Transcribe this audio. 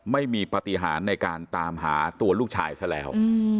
ไม่มีปฏิหารในการตามหาตัวลูกชายซะแล้ว